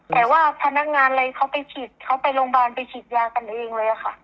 แต่ว่าพนักงานอะไรเขาไปฉีดเขาไปโรงพยาบาลไปฉีดยากันเองเลยค่ะ